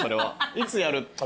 いつやる。